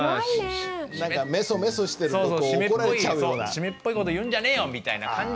「湿っぽいこと言うんじゃねえよ」みたいな感じの。